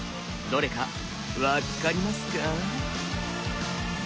どれか分っかりますか？